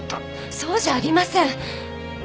そうじゃありません！